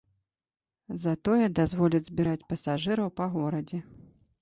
Затое дазволіць збіраць пасажыраў па горадзе.